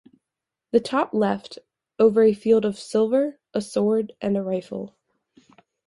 The top left over a field of silver a sword and a rifle.